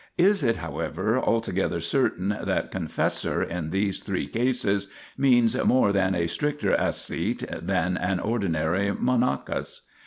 Is it, however, altogether certain that "con fessor" in these three cases means more than a stricter ascete than an ordinary monachus